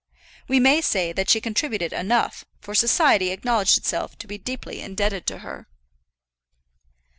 We may say that she contributed enough, for society acknowledged itself to be deeply indebted to her.